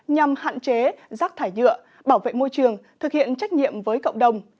nhằm hạn chế rác thải nhựa bảo vệ môi trường thực hiện trách nhiệm với cộng đồng